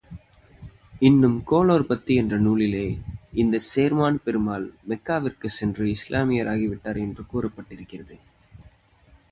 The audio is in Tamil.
இன்னும் கோளோற்பத்தி என்ற நூலிலே, இந்தச் சேரமான் பெருமாள், மெக்காவிற்குச் சென்று இஸ்லாமியராகி விட்டார் என்று கூறப்பட்டிருக்கிறது.